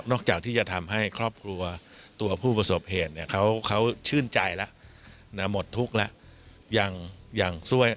จากที่จะทำให้ครอบครัวตัวผู้ประสบเหตุเนี่ยเขาชื่นใจแล้วหมดทุกข์แล้ว